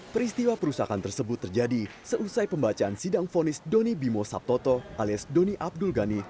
peristiwa perusakan tersebut terjadi seusai pembacaan sidang fonis doni bimo sabtoto alias doni abdul ghani